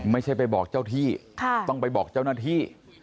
ไม่ใช่ไปบอกเจ้าที่ต้องไปบอกเจ้าหน้าที่